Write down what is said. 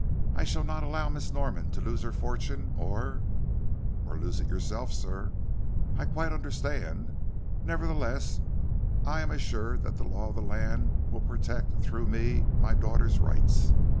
"I shall not allow Miss Norman to lose her fortune or " "Or lose it yourself, sir. I quite understand. Nevertheless, I am assured that the law of the land will protect, through me, my daughter's rights.